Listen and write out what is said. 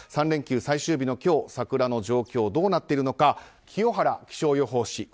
３連休最終日の今日桜の状況はどうなっているのか清原気象予報士